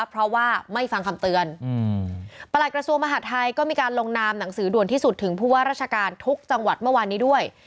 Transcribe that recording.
เพราะว่าไม่ฟังคำเตือนประหลัดกระทรวงมหาดไทยก็มีการลงนามหนังสือด่วนที่สุดถึงผู้ว่าราชการทุกจังหวัดเมื่อวานนี้ด้วย